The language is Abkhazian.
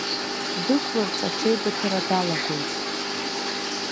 Ддәықәларц аҽеибыҭара далагоит.